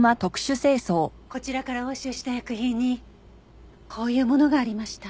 こちらから押収した薬品にこういうものがありました。